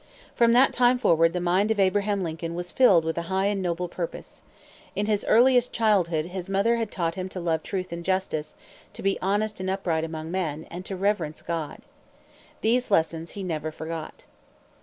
From that time forward the mind of Abraham Lincoln was filled with a high and noble purpose. In his earliest childhood his mother had taught him to love truth and justice, to be honest and upright among men, and to reverence God. These lessons he never forgot.